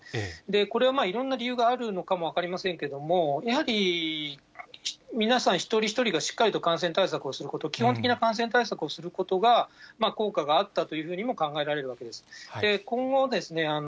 これはいろんな理由があるのかも分かりませんけれども、やはり皆さん一人一人がしっかりと感染対策をすること、基本的な感染対策をすることが、効果があったというふうにも考えられるわけです。